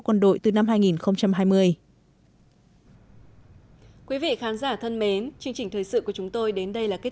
quân đội từ năm hai nghìn hai mươi quý vị khán giả thân mến chương trình thời sự của chúng tôi đến đây là kết